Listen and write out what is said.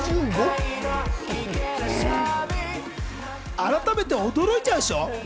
改めてお驚いちゃうでしょ。